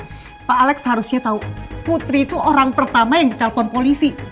lagiin pak alex ya pak alex seharusnya tahu putri itu orang pertama yang di telpon polisi